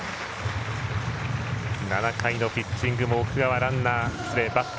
７回のピッチングも奥川バッター